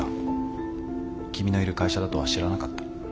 君のいる会社だとは知らなかった。